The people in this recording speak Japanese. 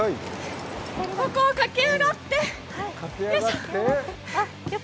ここを駆け上がって、よいしょ。